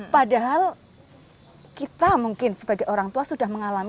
padahal kita mungkin sebagai orang tua sudah mengalami